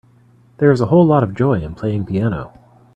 There is a whole lot of joy in playing piano.